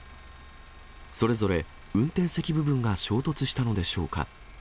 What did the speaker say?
それぞれ運転席部分が衝突したのでしょうか。